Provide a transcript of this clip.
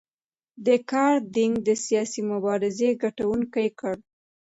دې کار دینګ د سیاسي مبارزې ګټونکي کړل.